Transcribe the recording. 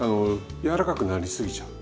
柔らかくなりすぎちゃう。